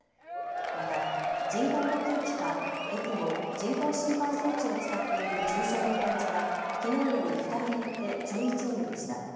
また人工呼吸器かＥＣＭＯ・人工心肺装置を使っている重症の患者はきのうより２人減って１１人でした。